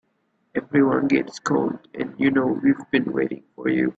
Everything's getting cold and you know we've been waiting for you.